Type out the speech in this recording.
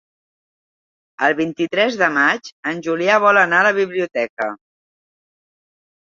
El vint-i-tres de maig en Julià vol anar a la biblioteca.